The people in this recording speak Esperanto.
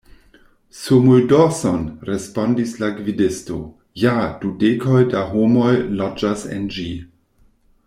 Sur muldorson! respondis la gvidisto, Ja, du dekoj da homoj loĝas en ĝi.